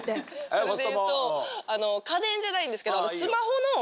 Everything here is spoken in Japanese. それで言うと家電じゃないんですけど。